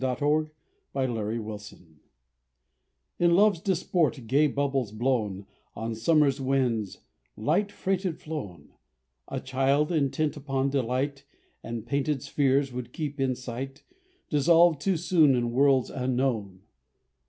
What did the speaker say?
RONDEAU—IN LOVE'S DISPORT IN love's disport, gay bubbles blown, On summer's winds, light freighted, flown;— A child intent upon delight The painted spheres would keep in sight— Dissolved too soon in worlds unknown.